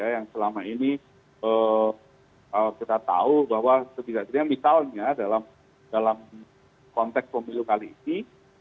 yang selama ini kita tahu bahwa setidak tidak misalnya dalam konteks pemilu kali ini